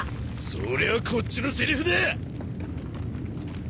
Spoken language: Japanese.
そりゃこっちのせりふだ！